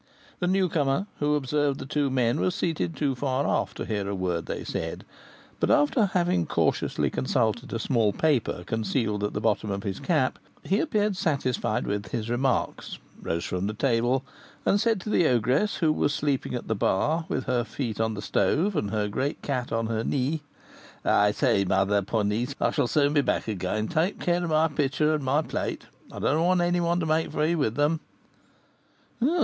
The newcomer, who observed the two men, was seated too far off to hear a word they said, but, after having cautiously consulted a small paper concealed at the bottom of his cap, he appeared satisfied with his remarks, rose from the table, and said to the ogress, who was sleeping at the bar, with her feet on the stove, and her great cat on her knee: "I say, Mother Ponisse, I shall soon be back again; take care of my pitcher and my plate; I don't want any one to make free with them."